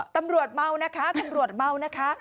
ตำรวจเมานะคะตำรวจเมานะคะ